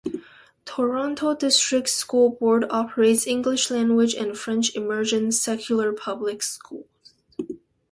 Toronto District School Board operates English-language and French Immersion secular public schools.